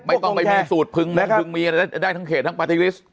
ไม่ต้องไปมีสูตรพึงมีได้ทั้งเขตทั้งปาร์ติวิส